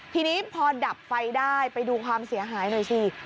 ทีนี้พอดับไฟได้ไปดูความเสียหายหน่อยสิ